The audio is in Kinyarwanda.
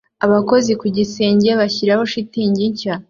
Abakozi ku gisenge bashiraho shitingi nshya